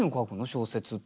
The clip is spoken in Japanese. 小説って。